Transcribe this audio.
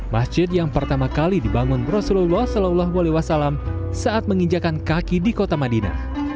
masjid yang pertama kali dibangun rasulullah saw saat menginjakan kaki di kota madinah